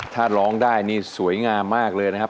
ถ้าร้องได้นี่สวยงามมากเลยนะครับ